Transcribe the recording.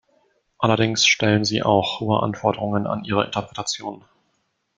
Allerdings stellen sie auch hohe Anforderungen an ihre Interpretation.